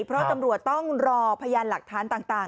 เพราะตำรวจต้องรอพยานหลักฐานต่าง